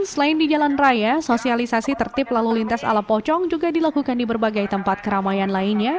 selain di jalan raya sosialisasi tertib lalu lintas ala pocong juga dilakukan di berbagai tempat keramaian lainnya